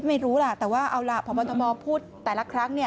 ไม่รู้ล่ะแต่ว่าเอาล่ะพบทมพูดแต่ละครั้ง